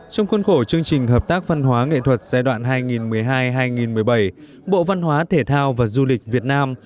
trong khuôn khổ chương trình hợp tác văn hóa nghệ thuật giai đoạn hai nghìn một mươi hai hai nghìn một mươi bảy bộ văn hóa thể thao và du lịch việt nam